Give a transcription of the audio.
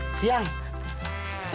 selamat siang bang